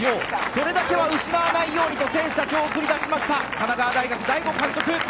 それだけは失わないようにと選手たちを送り出しました神奈川大学、大後監督。